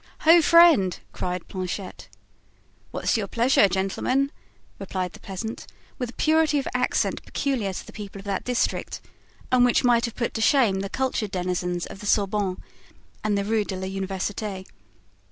"Ho! friend," cried Planchet. "What's your pleasure, gentlemen?" replied the peasant, with a purity of accent peculiar to the people of that district and which might have put to shame the cultured denizens of the Sorbonne and the Rue de l'Universite.